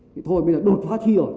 thì thôi bây giờ đột phá thi rồi